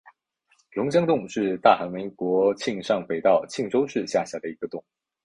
龙江洞是大韩民国庆尚北道庆州市下辖的一个洞。